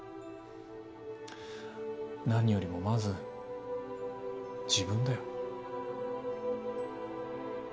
何よりもまず自分だよ